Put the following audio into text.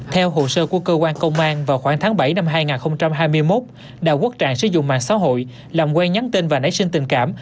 theo hồ sơ của cơ quan công an vào khoảng tháng bảy năm hai nghìn hai mươi một đào quốc trạng sử dụng mạng xã hội làm quen nhắn tin và nảy sinh tình cảm